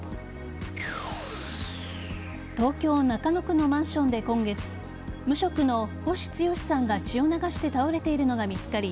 東京・中野区のマンションで今月無職の星毅さんが血を流して倒れているのが見つかり